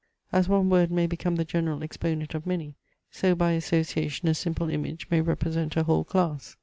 As one word may become the general exponent of many, so by association a simple image may represent a whole class.